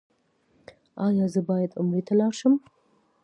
ایا زه باید عمرې ته لاړ شم؟